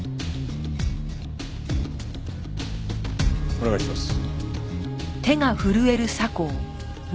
お願いします。